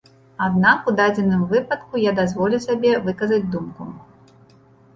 Аднак у дадзеным выпадку я дазволю сабе выказаць думку.